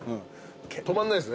止まんないっすね